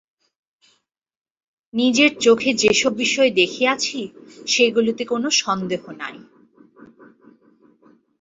নিজের চোখে যে-সব বিষয় দেখিয়াছি, সেইগুলিতে কোন সন্দেহ নাই।